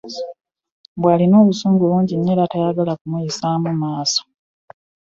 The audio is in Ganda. Mbu bwalina obusungu bungi nnyo era nga tebwagala kubuyisaamu maaso.